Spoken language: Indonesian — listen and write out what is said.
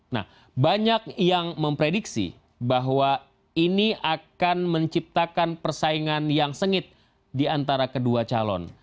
nah banyak yang memprediksi bahwa ini akan menciptakan persaingan yang sengit di antara kedua calon